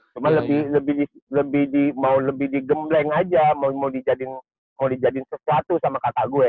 cuman lebih mau digembleng aja mau dijadiin sesuatu sama kakak gue